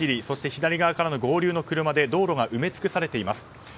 そして左側からの合流の車で道路が埋め尽くされています。